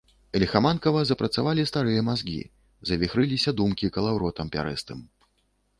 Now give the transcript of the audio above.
Ліхаманкава запрацавалі старыя мазгі, завіхрыліся думкі калаўротам пярэстым.